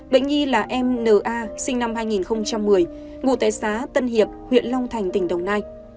bệnh nhi là m n a sinh năm hai nghìn một mươi ngụ tè xá tân hiệp huyện long thành tỉnh đồng nai